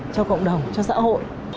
cho cộng đồng cho xã hội